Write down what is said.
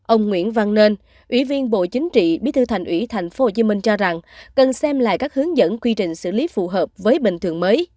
ông nguyễn văn nên ủy viên bộ chính trị bí thư thành ủy tp hcm cho rằng cần xem lại các hướng dẫn quy trình xử lý phù hợp với bình thường mới